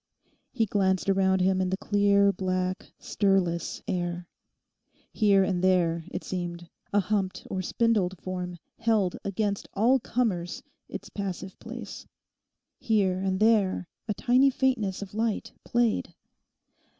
He glanced around him in the clear, black, stirless air. Here and there, it seemed, a humped or spindled form held against all comers its passive place. Here and there a tiny faintness of light played.